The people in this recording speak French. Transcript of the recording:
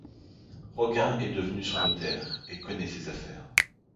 Roguin est devenu son notaire et connaît ses affaires.